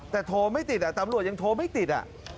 แต่โทรไม่ติดตำรวจยังโทรไม่ติด